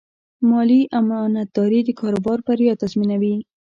مالي امانتداري د کاروبار بریا تضمینوي.